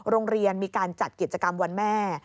โรงเรียนมีการจัดกิจกรรมวันแม่